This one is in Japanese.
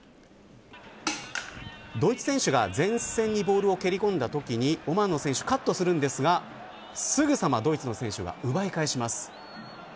ドイツ選手が前線にボールを蹴り込んだときにオマーンの選手がカットするんですがすぐさまドイツの選手が奪い返します。